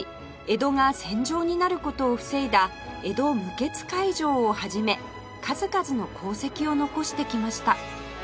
江戸が戦場になる事を防いだ江戸無血開城を始め数々の功績を残してきました